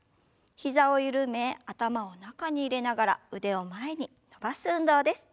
膝を緩め頭を中に入れながら腕を前に伸ばす運動です。